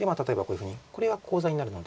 これがコウ材になるので。